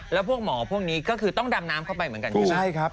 แล้วพวกหมอพวกนี้ก็คือต้องดำน้ำเข้าไปเหมือนกันใช่ไหม